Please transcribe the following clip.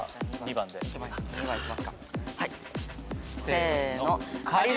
せの。